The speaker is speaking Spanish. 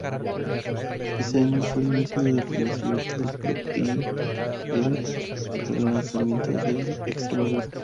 Ese año fue el inicio del renacimiento del club y el relanzamiento del Extremadura.